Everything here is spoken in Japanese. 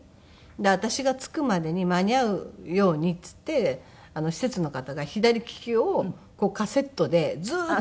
私が着くまでに間に合うようにっていって施設の方が『左きき』をカセットでずーっとかけて。